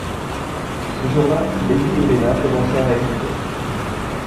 Ce jour-là, lady Helena commença à être inquiète.